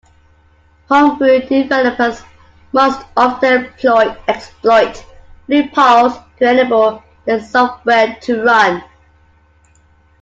Homebrew developers must often exploit loopholes to enable their software to run.